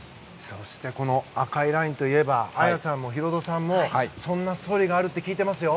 そしてこの赤いラインといえば綾さんもヒロドさんもそんなストーリーがあるって聞いていますよ。